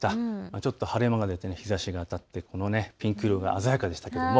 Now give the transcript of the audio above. ちょっと晴れ間が出て日ざしが当たってピンク色が鮮やかでした。